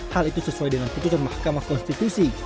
hal itu sesuai dengan putusan mahkamah konstitusi